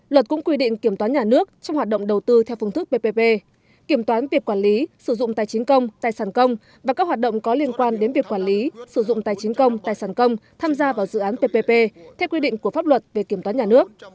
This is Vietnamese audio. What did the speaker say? luật cũng quy định kiểm toán nhà nước trong hoạt động đầu tư theo phương thức ppp kiểm toán việc quản lý sử dụng tài chính công tài sản công và các hoạt động có liên quan đến việc quản lý sử dụng tài chính công tài sản công tham gia vào dự án ppp theo quy định của pháp luật về kiểm toán nhà nước